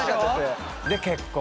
で結婚。